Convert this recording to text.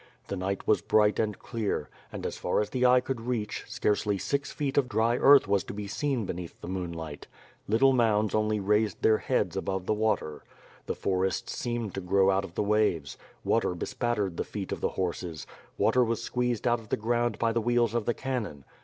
The night was bright and clear, ■ and as far as the eye could reach, scarcely six feet of dry earth was to be seen beneath the moonlight. Little moimds only raised their heads above the water. The forests seemed to grow out of the waves; water bespattered the feet of the horses; water was squeezed out of the ground by the wheels of the cannon.